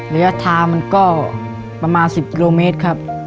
ระยะทางมันก็ประมาณ๑๐กิโลเมตรครับ